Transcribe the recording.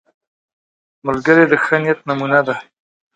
ملګری د ښه نیت نمونه ده